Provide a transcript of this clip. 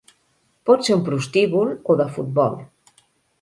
Pot ser un prostíbul o de futbol.